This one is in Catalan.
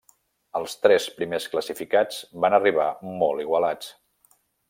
Els tres primers classificats van arribar molt igualats.